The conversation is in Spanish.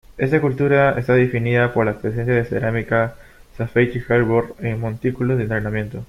Esta cultura está definida por la presencia de cerámica Safety-Harbor en montículos de enterramiento.